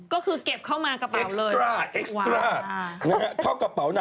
ก็คือเก็บเข้ามากระเป๋าเลย